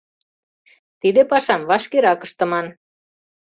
Тиде пашам вашкерак ыштыман.